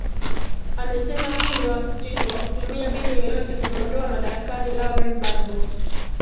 amesema huu ni wakti wa kutumia mbinu yoyote kumuondoa madarakani lauren bagbo